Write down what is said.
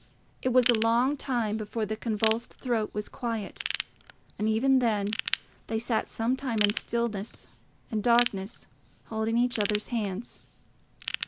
It was a long time before the convulsed throat was quiet, and even then they sat some time in stillness and darkness, holding each other's hands.